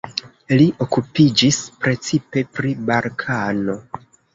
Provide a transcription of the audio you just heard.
Li okupiĝis precipe pri Balkano.